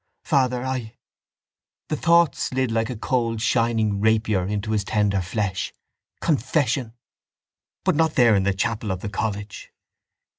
—Father, I... The thought slid like a cold shining rapier into his tender flesh: confession. But not there in the chapel of the college.